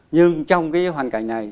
nhưng trong cái hoàn cảnh này